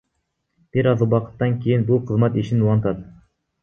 Бир аз убакыттан кийин бул кызмат ишин улантат.